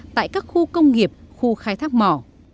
tại các khu công nghiệp khu khai thác mỏ